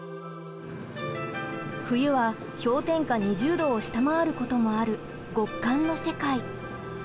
冬は氷点下２０度を下回ることもある極寒の世界。